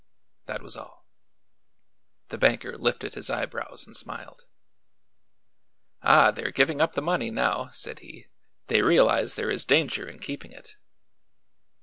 '" That was all. The banker lifted his eyebrows and smiled. "Ah, they're giving up the money now," said he. "They realize there is danger in keeping it."